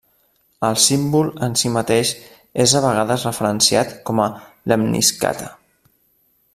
El símbol en si mateix és a vegades referenciat com la lemniscata.